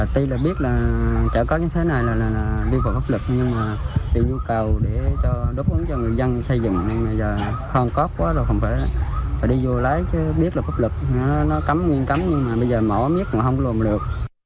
tuy là biết là trả cát như thế này là đi vào pháp lực nhưng mà tự nhu cầu để đốt uống cho người dân xây dựng nên bây giờ khôn cóc quá rồi không phải là đi vô lái chứ biết là pháp lực nó cấm nguyên cấm nhưng mà bây giờ mỏ mít mà không lùm được